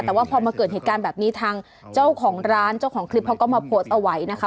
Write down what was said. แต่ว่าพอมาเกิดเหตุการณ์แบบนี้ทางเจ้าของร้านเจ้าของคลิปเขาก็มาโพสต์เอาไว้นะคะ